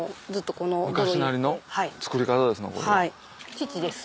父です。